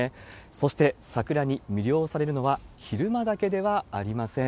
そして、桜に魅了されるのは昼間だけではありません。